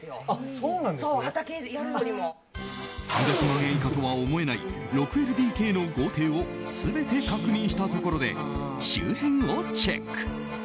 ３００万円以下とは思えない６ＬＤＫの豪邸を全て確認したところで周辺をチェック。